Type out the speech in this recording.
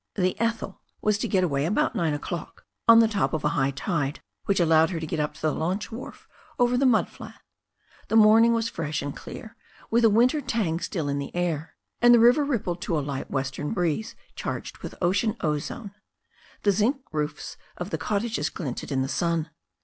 The Ethel was to get away about* nine o'clock, on the top of a high tide which allowed her to get up to the launch wharf over the mud flat. The morning was fresh and clear, with a winter tang still in the air, and the river rippled to a light western breeze charged with ocean ozone. The zinc roofs of the cottages glinted in the sun.